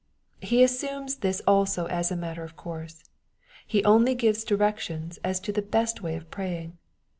He assumes this also as a matter of course. He only gives directions as to the best way of praying.